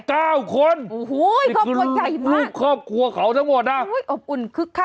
เก้าคนโอ้โหครอบครัวใหญ่มากลูกครอบครัวเขาทั้งหมดอ่ะอุ้ยอบอุ่นคึกคัก